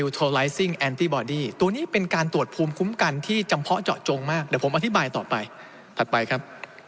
ถัดไปครับ